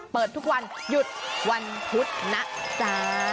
เปิดทุกวันหยุดวันพุธนะจ๊ะ